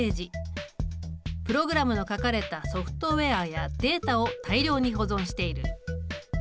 プログラムの書かれたソフトウェアやデータを大量に保存している。